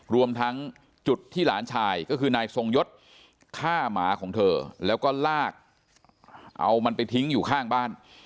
รวมทั้งจุดที่หลานชายก็คือนายทรงยศฆ่าหมาของเธอแล้วก็ลากเอามันไปทิ้งอยู่ข้างบ้าน